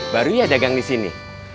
baru ya dagang di sini